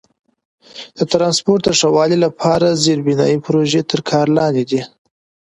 د ترانسپورت د ښه والي لپاره زیربنایي پروژې تر کار لاندې دي.